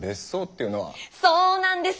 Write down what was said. そうなんです。